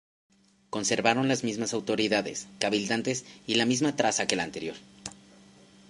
Conservaron las mismas autoridades, cabildantes y la misma traza que la anterior.